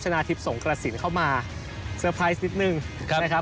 ชนะทบส่งกระสินเขามา